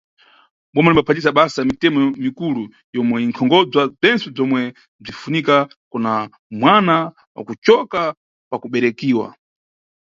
Boma limbaphatisa basa mitemo mikulu yomwe inʼkonkhobza bzentse bzomwe bzinʼfunika kuna mwana wa kucoka pakuberekiwa.